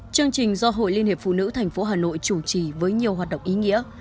chương trình do hội liên hiệp phụ nữ tp hà nội chủ trì với nhiều hoạt động ý nghĩa